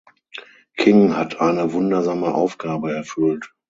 King hat eine wundersame Aufgabe erfüllt.